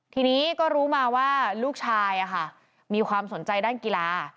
ทีนี้ก็รู้มาว่าลูกชายมีความสนใจด้านกีฬา